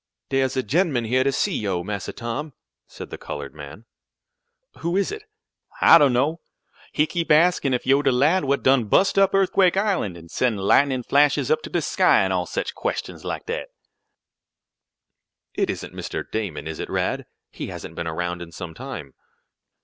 "Dere's a gen'man here to see yo', Massa Tom," said the colored man. "Who is it?" "I dunno. He keep askin' ef yo' de lad what done bust up Earthquake Island, an' send lightnin' flashes up to de sky, an' all sech questions laik dat." "It isn't Mr. Damon; is it, Rad? He hasn't been around in some time."